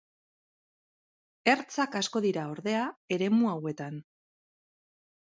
Ertzak asko dira, ordea, eremu hauetan.